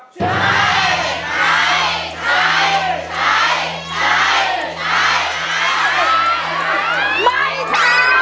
ใช้ใช้ใช้ใช้ใช้ใช้